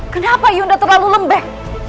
kenapa yudha terlalu lembek